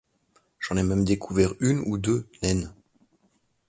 J’en ai même découvert une ou deux, naine !